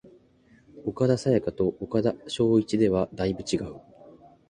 岡田紗佳と岡田彰布ではだいぶ違う